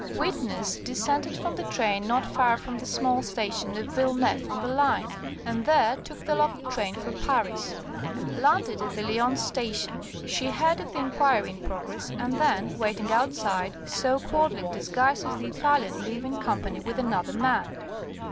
"Witness descended from the train not far from the small station of Villeneuve on the line, and there took the local train for Paris. Landed at the Lyons Station, she heard of the inquiry in progress, and then, waiting outside, saw Quadling disguised as the Italian leave in company with another man.